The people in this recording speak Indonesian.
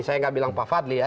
saya nggak bilang pak fadli ya